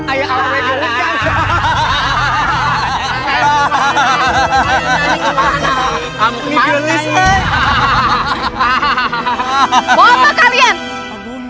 aku harus menolong orang gak puan